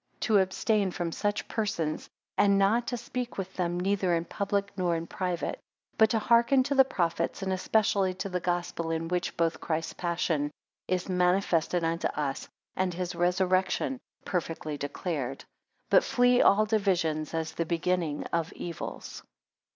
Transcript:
to abstain from such persons, and not to speak with them, neither in public nor in private. 19 But to hearken to the prophets, and especially to the Gospel, in which both Christ's passion is manifested unto us, and his resurrection perfectly declared. 20 But flee all divisions, as the beginning of evils.